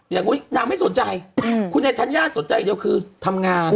อย่างนี้นางไม่สนใจคุณไอ้ธัญญาสนใจอย่างเดียวคือทำงาน